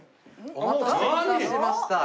お待たせ致しました。